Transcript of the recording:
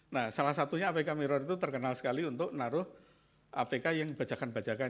nah salah satunya apk mirror itu terkenal sekali untuk naruh apk yang dibacakan bajakan